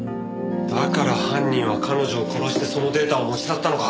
だから犯人は彼女を殺してそのデータを持ち去ったのか。